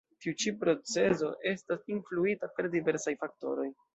Tiu ĉi procezo estas influita per diversaj faktoroj.